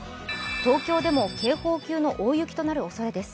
東京でも警報級の大雪となるおそれです。